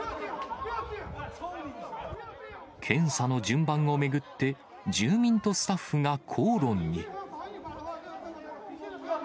検査の順番を巡って、住民とスタッフが口論に。